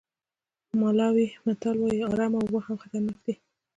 مالاوي متل وایي ارامه اوبه هم خطرناک دي.